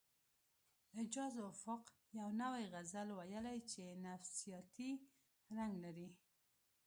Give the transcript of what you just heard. اعجاز افق یو نوی غزل ویلی چې نفسیاتي رنګ لري